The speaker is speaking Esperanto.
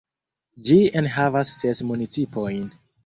Ĝi enhavas ses municipojn.